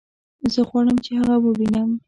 زه غواړم چې هغه ووينم